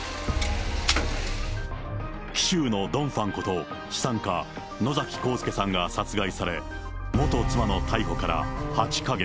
紀州のドン・ファンこと、資産家、野崎幸助さんが殺害され、元妻の逮捕から８か月。